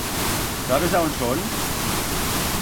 Sabes án son?